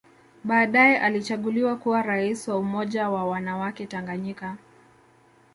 Baadae alichaguliwa kuwa Rais wa Umoja wa wanawake Tanganyika